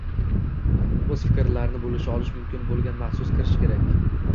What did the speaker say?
o‘z fikrlarini bo‘lisha olishi mumkin bo‘lgan maxsus kishi kerak